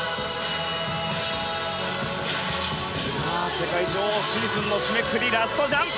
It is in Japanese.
世界女王シーズンの締めくくりラストジャンプ。